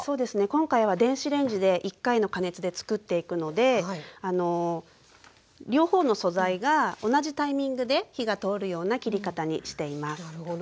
今回は電子レンジで１回の加熱でつくっていくので両方の素材が同じタイミングで火が通るような切り方にしています。